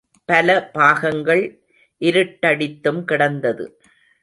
பல பாகங்கள் இருட்டடித்தும் கிடந்தது.